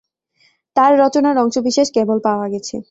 তার রচনার অংশবিশেষ কেবল পাওয়া গেছে।